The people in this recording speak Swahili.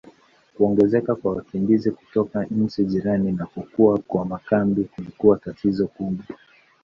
Kuongezeka kwa wakimbizi kutoka nchi jirani na kukua kwa makambi kulikuwa tatizo kubwa.